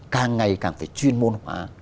càng ngày càng phải chuyên môn hóa